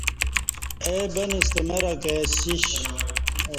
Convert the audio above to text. اے بن ستہ مرہ کائسیش